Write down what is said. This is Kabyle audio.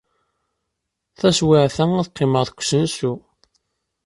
Taswiɛt-a, ad qqimeɣ deg usensu.